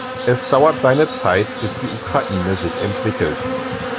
Es dauert seine Zeit, bis die Ukraine sich entwickelt.